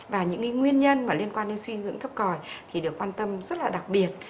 và những nguyên nhân liên quan đến suy dưỡng thấp còi thì được quan tâm rất là đặc biệt